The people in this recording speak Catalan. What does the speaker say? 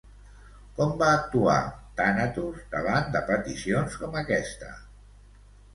Com va actuar Tànatos davant de peticions com aquesta?